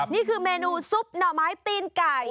นี่คือเมนูซุปหน่อไม้ตีนไก่